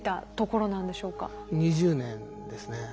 ２０年ですね。